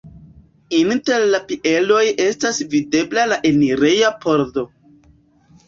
Inter la pilieroj estas videbla la enireja pordo.